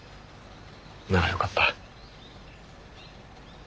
ならよかった。